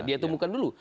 dia itu bukan dulu